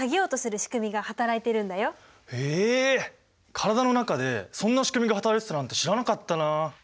体の中でそんなしくみがはたらいてたなんて知らなかったなあ。